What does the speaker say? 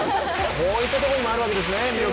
こういったところにも魅力があるわけですね。